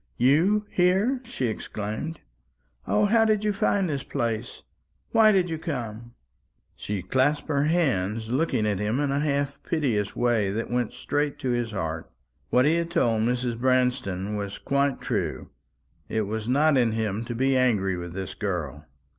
"You here!" she exclaimed. "O, how did you find this place? Why did you come?" She clasped her hands, looking at him in a half piteous way that went straight to his heart. What he had told Mrs. Branston was quite true. It was not in him to be angry with this girl.